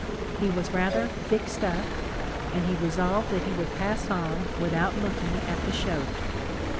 He was rather ' fixed up,' and he resolved that he would pass on without looking at the shoat.